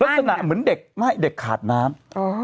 ลักษณะเหมือนเด็กไม่เด็กขาดน้ำ